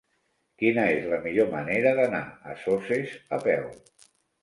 Quina és la millor manera d'anar a Soses a peu?